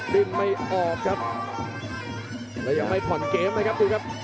ดึงไม่ออกครับแล้วยังไม่ผ่อนเกมนะครับดูครับ